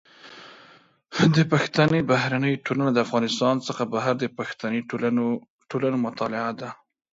د پښتني بهرنۍ ټولنه د افغانستان څخه بهر د پښتني ټولنو مطالعه ده.